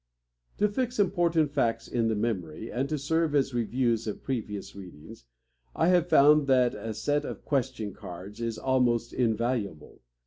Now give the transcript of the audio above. To fix important facts in the memory, and to serve as reviews of previous readings, I have found that a set of question cards is almost invaluable.